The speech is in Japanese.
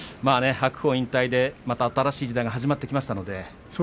白鵬引退でまた新しい時代が始まっていきます。